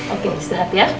oke sehat ya